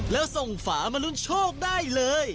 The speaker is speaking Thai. แล้วส่งฝามาลุ้นโชคได้เลย